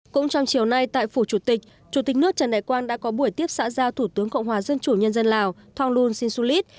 cũng trong chiều nay tại phủ chủ tịch chủ tịch nước trần đại quang đã có buổi tiếp xã giao thủ tướng cộng hòa dân chủ nhân dân lào thonglun sinsulit